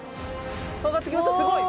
上がってきました、すごい。